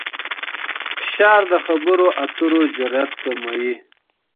فشار د خبرو اترو جرئت کموي.